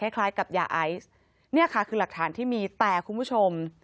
คล้ายกับยาไอซ์เนี่ยค่ะคือหลักฐานที่มีแต่คุณผู้ชม